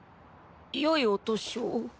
よいお年を。